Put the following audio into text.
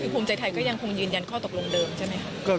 ภูมิใจไทยก็ยังคงยืนยันข้อตกลงเดิมใช่ไหมคะ